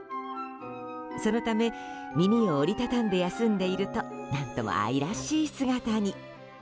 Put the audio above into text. そのため耳を折りたたんで休んでいると何とも愛らしい姿に。